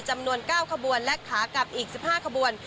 จำนวน๙ขบวนและขากลับอีก๑๕ขบวน